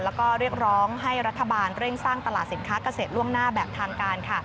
แล้วก็เรียกร้องให้รัฐบาลเร่งสร้างตลาดสินค้าเกษตรล่วงหน้าแบบทางการค่ะ